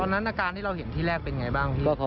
ตอนนั้นอาการที่เราเห็นที่แรกเป็นอย่างไรบ้างพี่